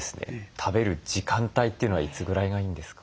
食べる時間帯というのはいつぐらいがいいんですか？